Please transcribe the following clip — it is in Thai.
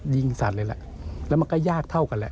สัตว์เลยแหละแล้วมันก็ยากเท่ากันแหละ